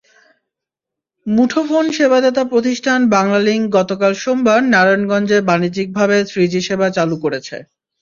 মুঠোফোন সেবাদাতা প্রতিষ্ঠান বাংলালিংক গতকাল সোমবার নারায়ণগঞ্জে বাণিজ্যিকভাবে থ্রিজি সেবা চালু করেছে।